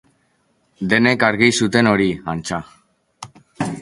Denek argi zuten hori, antza.